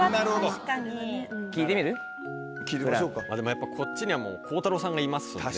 やっぱこっちにはもう鋼太郎さんがいますので。